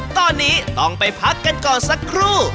ตอนนี้ต้องไปพักกันก่อนสักครู่